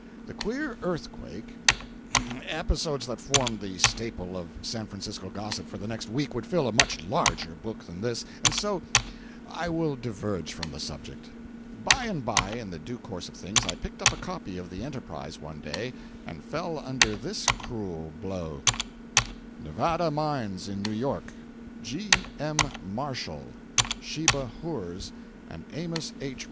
The queer earthquake—episodes that formed the staple of San Francisco gossip for the next week would fill a much larger book than this, and so I will diverge from the subject. By and by, in the due course of things, I picked up a copy of the Enterprise one day, and fell under this cruel blow: NEVADA MINES IN NEW YORK.—G. M. Marshall, Sheba Hurs and Amos H.